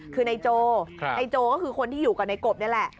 คือนายโจนายโจก็คือคนที่อยู่กับในกบนี่แหละ